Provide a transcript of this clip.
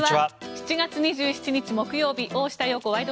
７月２７日、木曜日「大下容子ワイド！